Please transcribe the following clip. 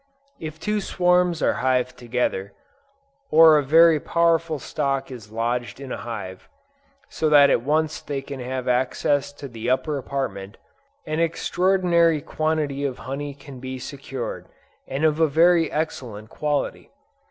If two swarms are hived together, or a very powerful stock is lodged in a hive, so that at once they can have access to the upper apartment, an extraordinary quantity of honey can be secured, and of a very excellent quality.